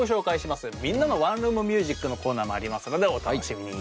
「みんなのワンルーム☆ミュージック」のコーナーもありますのでお楽しみに。